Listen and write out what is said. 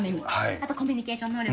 あと、コミュニケーション能力。